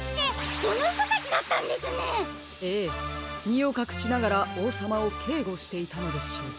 みをかくしながらおうさまをけいごしていたのでしょう。